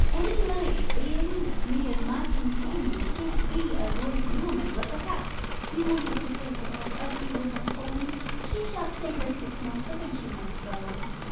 Any lady being with me as my companion can't be a great woman. But perhaps you wanted to break it off; else you would have told me. She shall stay here six months, but then she must go.